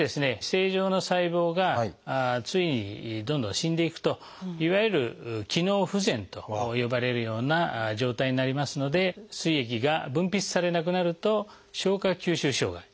正常な細胞がついにどんどん死んでいくといわゆる「機能不全」と呼ばれるような状態になりますのですい液が分泌されなくなると消化吸収障害